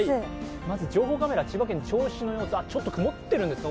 まず情報カメラ、千葉県銚子の様子、ちょっと曇ってるんですかね。